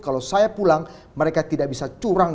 kalau saya pulang mereka tidak bisa curang